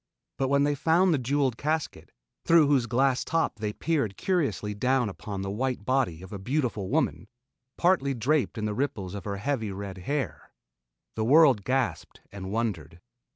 But when they found the jeweled casket, through whose glass top they peered curiously down upon the white body of a beautiful woman, partly draped in the ripples of her heavy, red hair, the world gasped and wondered.